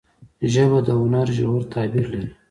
ژبه د هنر ژور تعبیر لري